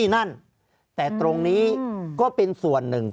ภารกิจสรรค์ภารกิจสรรค์